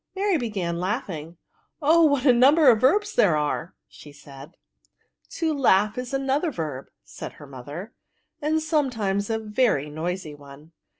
Mary began laughing. '^ Oh, what a number of verbs tiiere are !^ said she. " To lav^h is another verb," said her mother, and sometimes a very noisy one."